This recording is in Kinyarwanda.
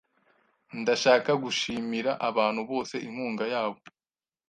Ndashaka gushimira abantu bose inkunga yabo .